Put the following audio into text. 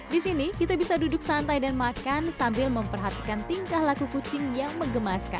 di sini kita bisa duduk santai dan makan sambil memperhatikan tingkah laku kucing yang mengemaskan